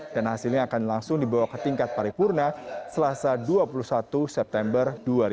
dan hasilnya akan langsung dibawa ke tingkat paripurna selasa dua puluh satu september dua ribu dua puluh satu